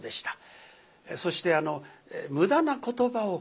そして無駄な言葉を全部省いてる。